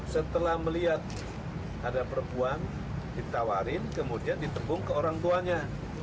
setelah melihat ada perempuan ditawarin kemudian ditebung ke orang tuanya